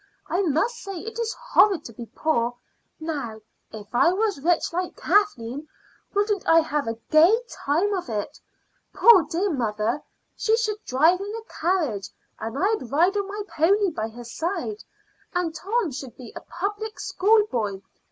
I must say it is horrid to be poor. Now, if I was rich like Kathleen, wouldn't I have a gay time of it? Poor dear mother should drive in a carriage, and I'd ride on my pony by her side; and Tom should be a public school boy.